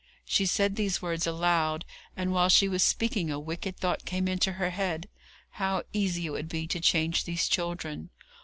She said these words aloud, and while she was speaking a wicked thought came into her head how easy it would be to change these children!